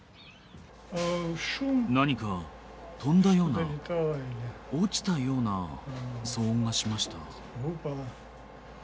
何か飛んだような、落ちたような騒音がしました。